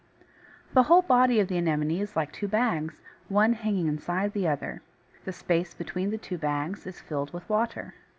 The whole body of the Anemone is like two bags, one hanging inside the other. The space between the two bags is filled with water.